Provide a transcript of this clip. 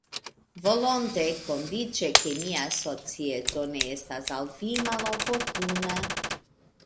Volonte, kondiĉe ke mia societo ne estas al vi maloportuna.